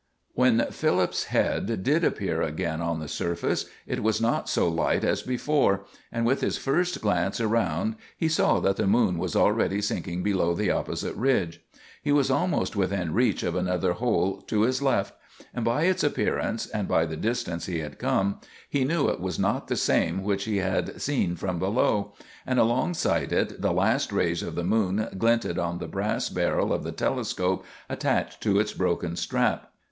When Philip's head did appear again on the surface, it was not so light as before, and with his first glance around he saw that the moon was already sinking below the opposite ridge. He was almost within reach of another hole to his left; and by its appearance, and by the distance he had come, he knew it was not the same which he had seen from below, and alongside it the last rays of the moon glinted on the brass barrel of the telescope attached to its broken strap.